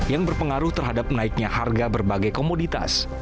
yang berpengaruh terhadap naiknya harga berbagai komoditas